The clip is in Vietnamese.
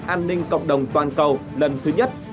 an ninh cộng đồng toàn cầu lần thứ nhất